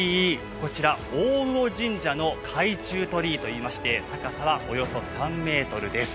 こちら大魚神社の海中鳥居といいまして高さはおよそ３ｍです。